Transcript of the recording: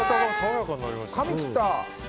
髪切った？